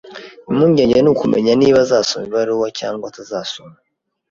Impungenge ni ukumenya niba azasoma ibaruwa cyangwa atazasoma.